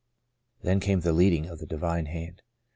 '^ Then came the leading of the Divine Hand.